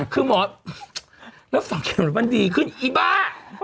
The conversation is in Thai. คือหมอแล้วฟังเข็มทุกวันดีขึ้นอีบ๊า